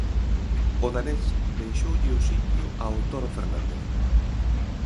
O danés deixoulle o sitio ao Toro Fernández.